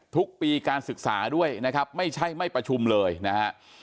ทุกปีการศึกษาด้วยนะครับไม่ใช่ไม่ประชุมเลยนะฮะ